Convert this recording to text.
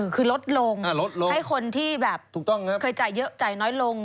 คือลดลงให้คนที่แบบเคยจ่ายเยอะจ่ายน้อยลง